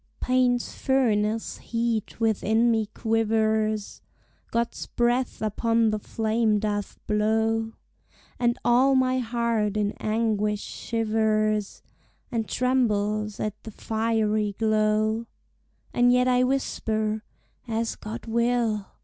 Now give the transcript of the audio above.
Pain's furnace heat within me quivers, God's breath upon the flame doth blow, And all my heart in anguish shivers, And trembles at the fiery glow: And yet I whisper, As God will!